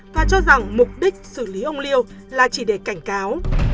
tòa cho rằng mục đích xử lý ông liêu là chỉ để cảnh cáo